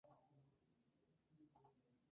Paolo Lorenzi derrotó en la final a Máximo González.